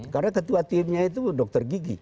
karena tetua timnya itu dokter gigi